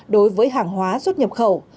đối với hàng hóa xuất nhập khẩu